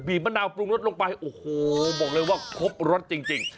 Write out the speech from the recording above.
มะนาวปรุงรสลงไปโอ้โหบอกเลยว่าครบรสจริง